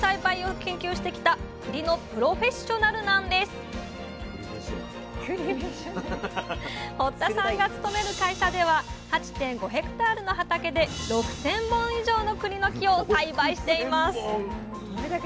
これまで堀田さんが勤める会社では８．５ヘクタールの畑で６，０００本以上のくりの木を栽培しています